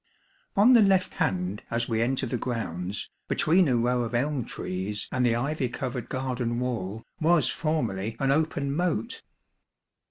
On the left hand as we enter the grounds, between a row of elm trees and the ivy covered garden wall, was formerly an open moat.